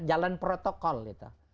jalan protokol gitu